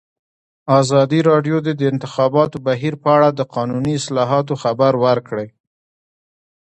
ازادي راډیو د د انتخاباتو بهیر په اړه د قانوني اصلاحاتو خبر ورکړی.